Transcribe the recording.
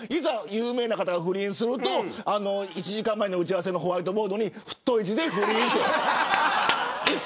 有名な方が不倫をすると１時間前の打ち合わせのホワイトボードに太い字で不倫とか。